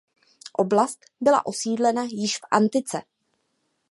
Oblast byla osídlena již v Antice.